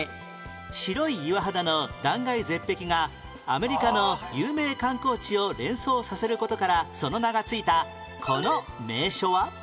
白い岩肌の断崖絶壁がアメリカの有名観光地を連想させる事からその名が付いたこの名所は？